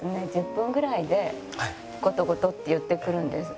１０分ぐらいでゴトゴトっていってくるんです。